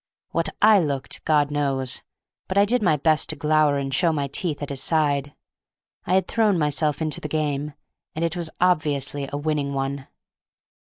What I looked God knows, but I did my best to glower and show my teeth at his side. I had thrown myself into the game, and it was obviously a winning one.